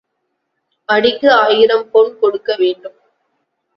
அடிக்கு ஆயிரம் பொன் கொடுக்க வேண்டும்.